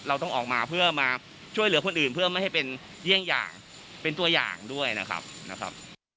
เราต้องออกมาเพื่อมาช่วยเหลือคนอื่นเพื่อไม่ให้เป็นเยี่ยงอย่างเป็นตัวอย่างด้วยนะครับ